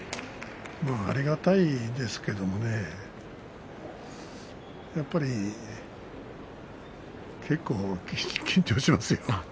ありがたいですけどもやっぱり結構、緊張しますよ